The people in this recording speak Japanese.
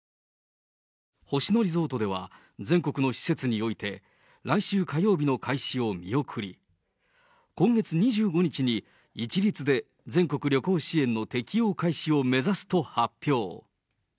星野リゾートでは、全国の施設において、来週火曜日の開始を見送り、今月２５日に一律で全国旅行支援の適用開始を目指すと発表。